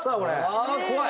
あ怖い！